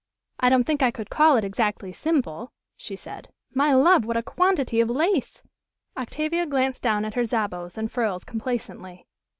"I don't think I should call it exactly simple," she said. "My love, what a quantity of lace!" Octavia glanced down at her jabots and frills complacently.